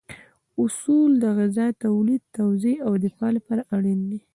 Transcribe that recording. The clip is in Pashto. اصول د غذا تولید، توزیع او دفاع لپاره اړین دي.